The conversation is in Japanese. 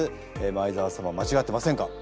前澤様間違ってませんか？